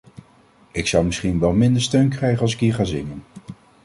Ik zou misschien wel minder steun krijgen als ik hier ga zingen.